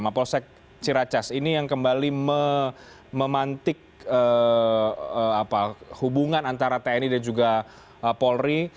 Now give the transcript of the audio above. mapolsek ciracas ini yang kembali memantik hubungan antara tni dan juga polri